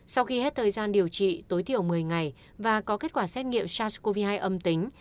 sau khi hết thời gian điều trị tối thiểu một mươi ngày và có kết quả xét nghiệm sars cov hai âm tính